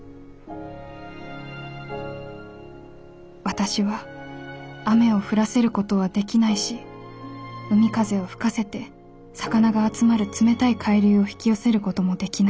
「私は雨を降らせることはできないし海風を吹かせて魚が集まる冷たい海流を引き寄せることもできない。